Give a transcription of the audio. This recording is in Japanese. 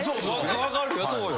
分かるよそうよ。